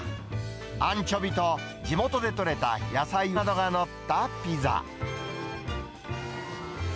アンチョビと地元で取れた野菜などが載ったピザ。